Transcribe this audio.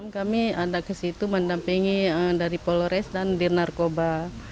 kami ada ke situ mendampingi dari polores dan dir narkoba